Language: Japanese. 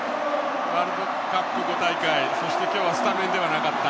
ワールドカップ、５大会そして今日はスタメンではなかった。